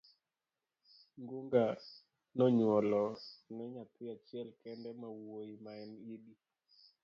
Ngunga nonyuolo ne nyathi achiel kende mawuoyi ma en Idi